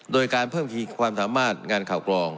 โดยการเพิ่มขีดความสามารถงานข่าวกรอง